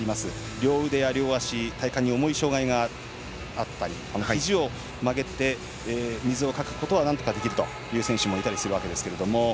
両腕や両足体幹に重い障がいがあったりひじを曲げて水をかくことがなんとかできるという選手もいたりするんですが。